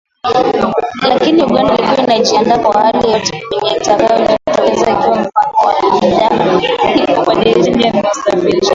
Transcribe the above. Lakini Uganda ilikuwa inajiandaa kwa hali yoyote yenye itakayojitokeza ikiwa na mpango wa kuwa na bidhaa muhimu na kubadilisha njia ya usafarishaji